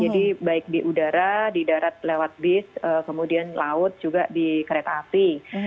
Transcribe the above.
jadi baik di udara di darat lewat bis kemudian laut juga di kereta api